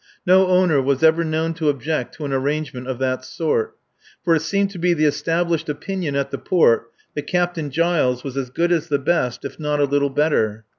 No owner was ever known to object to an arrangement of that sort. For it seemed to be the established opinion at the port that Captain Giles was as good as the best, if not a little better.